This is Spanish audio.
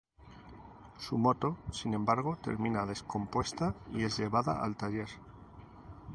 Su moto, sin embargo, termina descompuesta y es llevada al taller.